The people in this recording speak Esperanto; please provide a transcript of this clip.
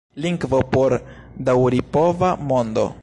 Lingvo por daŭripova mondo.